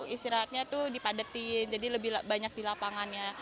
istirahatnya tuh dipadetin jadi lebih banyak di lapangannya